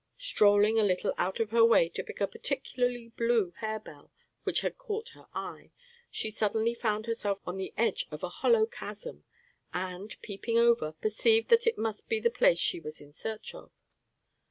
Strolling a little out of her way to pick a particularly blue harebell which had caught her eye, she suddenly found herself on the edge of a hollow chasm, and, peeping over, perceived that it must be the place she was in search of.